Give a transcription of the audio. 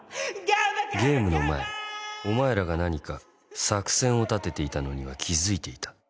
ゲームの前お前らが何か作戦を立てていたのには気付いていた。